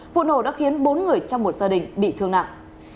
vụ nổ đã khiến bốn người trong một gia đình bị thương nặng